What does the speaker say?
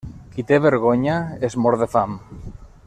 Qui té vergonya, es mor de fam.